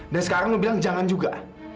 dan sekarang lo bilang jangan juga